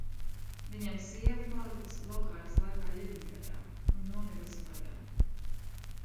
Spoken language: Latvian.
Viņam sieva palikusi blokādes laikā Ļeningradā un nomirusi badā.